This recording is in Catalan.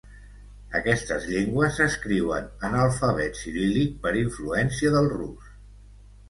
Aquestes llengües s'escriuen en alfabet ciríl·lic per influència del rus.